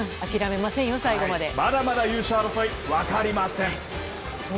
まだまだ優勝争い分かりません。